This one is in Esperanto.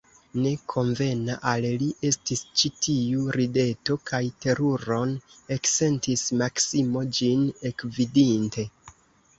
Ne konvena al li estis ĉi tiu rideto, kaj teruron eksentis Maksimo, ĝin ekvidinte.